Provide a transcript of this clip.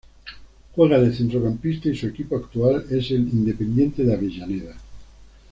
Juega de centrocampista y su equipo actual es el Independiente de Avellaneda.